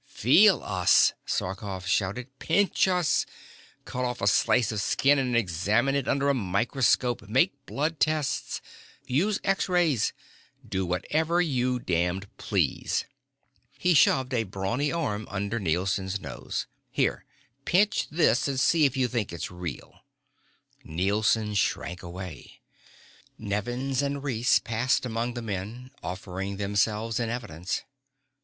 "Feel us!" Sarkoff shouted. "Pinch us. Cut off a slice of skin and examine it under a microscope. Make blood tests. Use X rays. Do whatever you damned please." He shoved a brawny arm under Nielson's nose. "Here. Pinch this and see if you think it's real." Nielson shrank away. Nevins and Reese passed among the men, offering themselves in evidence.